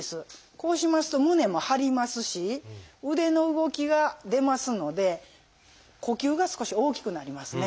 こうしますと胸も張りますし腕の動きが出ますので呼吸が少し大きくなりますね。